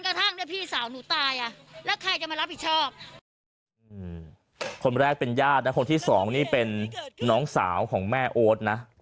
คนแรกเป็นญาตินะคนที่สองนี่เป็นน้องสาวของแม่โอ๊ตนะ